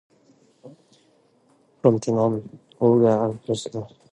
From then on, Olga and Picasso's relationship deteriorated.